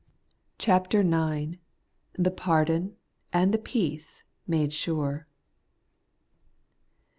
CHAPTEE IX. THE PARDON AND THE PEACE MADE SUKE.